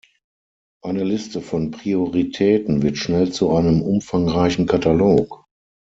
Eine Liste von Prioritäten wird schnell zu einem umfangreichen Katalog.